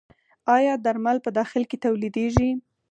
آیا درمل په داخل کې تولیدیږي؟